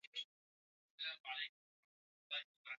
Majimoyo ni ugonjwa unaoathiri mfumo wa fahamu kwa ngombe